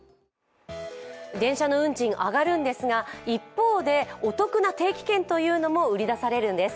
電車の運賃、上がるんですが一方でお得な定期券というのも売り出されるんです。